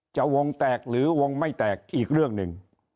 วงแตกหรือวงไม่แตกอีกเรื่องหนึ่ง